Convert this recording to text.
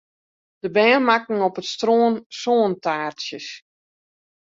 De bern makken op it strân sântaartsjes.